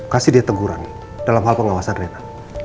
kasih dia teguran dalam hal pengawasan rena